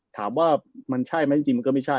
ถามว่ามันใช่ไหมจริงมันก็ไม่ใช่